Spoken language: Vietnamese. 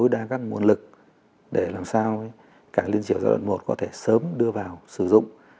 đa các nguồn lực để làm sao cảng liên triều giai đoạn một có thể sớm đưa vào sử dụng